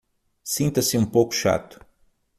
Sinta-se um pouco chato